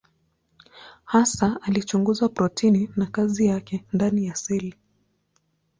Hasa alichunguza protini na kazi yake ndani ya seli.